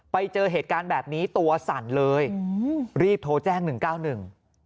ไปเจอเหตุการณ์แบบนี้ตัวสั่นเลยรีบโทรแจ้ง๑๙๑